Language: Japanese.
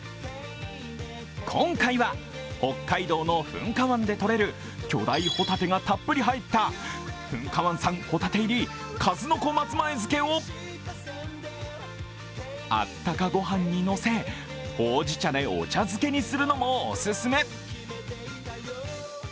今回は、北海道の噴火湾でとれる巨大ホタテがたっぷり入った噴火湾産ホタテ入り数の子松前漬をあったか御飯にのせほうじ茶でお茶漬けにするのもお勧め。